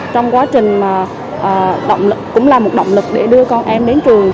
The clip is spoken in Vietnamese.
trong quá trình cũng là một động lực để đưa con em đến trường